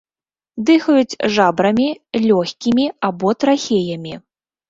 Дыхаюць жабрамі, лёгкімі або трахеямі.